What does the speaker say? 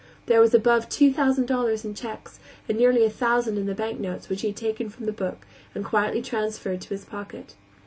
There was above two thousand dollars in checks, and nearly a thousand in the bank notes which he had taken from the book and quietly transferred to his pocket.